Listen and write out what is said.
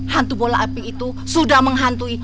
hantu bola api itu sudah menghantui